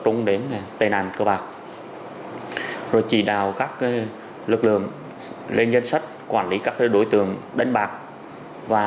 trung đến tên àn cơ bạc rồi chỉ đạo các lực lượng lên danh sách quản lý các đối tượng đánh bạc và